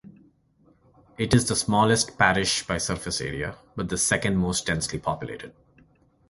It is the smallest parish by surface area, but the second most densely populated.